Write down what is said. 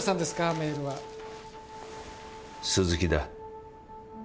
メールは鈴木だ